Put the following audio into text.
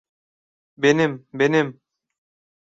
Benim, benim.